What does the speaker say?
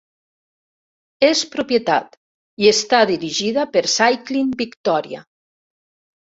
És propietat i està dirigida per Cycling Victoria.